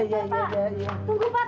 bapak sih tunggu pak